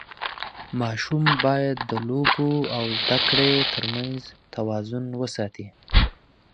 ماشوم باید د لوبو او زده کړې ترمنځ توازن وساتي.